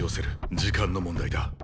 時間の問題だ。